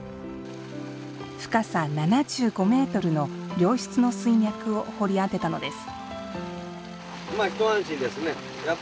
深さ７５メートルの良質の水脈を掘り当てたのです。